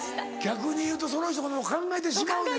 逆にいうとその人のこと考えてしまうねんな。